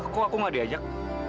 kok aku gak diajak